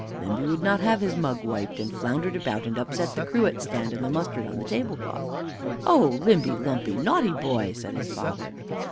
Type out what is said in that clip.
Limby would not have his mug wiped, and floundered about, and upset the cruet stand and the mustard on the table cloth. "Oh, Limby Lumpy naughty boy!" said his father.